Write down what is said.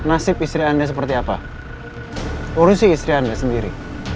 anda seperti apa urusi istri anda sendiri